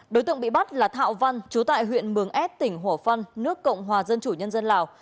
đối tượng bị bắt là thạo văn chú tại huyện mường ad tỉnh hỏa phăn nước cộng hòa dân chủ nhân dân lào